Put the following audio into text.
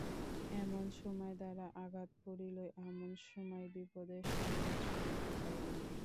এমন সময় দ্বারে আঘাত পড়িল, এমন সময়ে বিপদের সংবাদ শুনিতে পাইলেন।